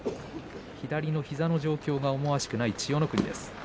左の膝の状況が思わしくない千代の国です。